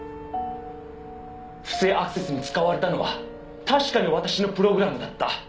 「不正アクセスに使われたのは確かに私のプログラムだった」